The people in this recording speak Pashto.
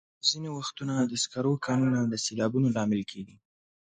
ځینې وختونه د سکرو کانونه د سیلابونو لامل کېږي.